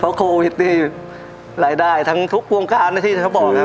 เพราะโควิดนี่รายได้ทั้งทุกวงการนะที่เขาบอกนะครับ